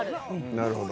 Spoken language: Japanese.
なるほど。